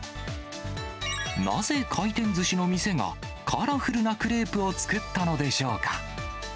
なぜ、回転ずしの店が、カラフルなクレープを作ったのでしょうか。